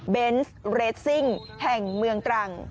เบนส์เรสซิ่งแห่งเมืองตรัง